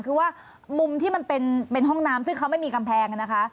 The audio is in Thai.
คือว่ามุมที่มันเป็นห้องน้ำซึ่งเขาไม่มีกำแพงนะคะ